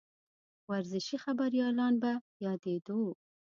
ورزشي خبریالان به یادېدوو.